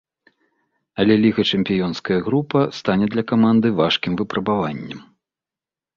Але лігачэмпіёнская група стане для каманды важкім выпрабаваннем.